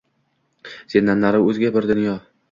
Sendan nari oʼzga bir dunyo.